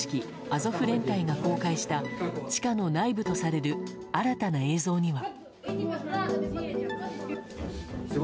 アゾフ連隊が公開した地下の内部とされる新たな映像には。